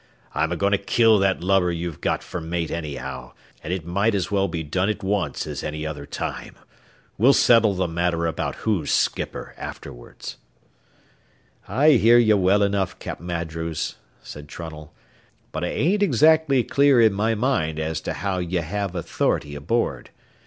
"I'm a going to kill that lubber you've got for mate anyhow, and it might as well be done at once as any other time. We'll settle the matter about who's skipper afterward." "I hears ye well enough, Cap'n Andrews," said Trunnell; "but I ain't eggzactly clear in my mind as to how ye have authority aboard.